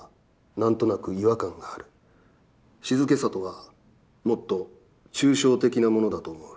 静けさとは、もっと抽象的なものだと思う。